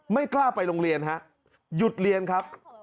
ไม่กล้าไปโรงเรียนฮะหยุดเรียนครับ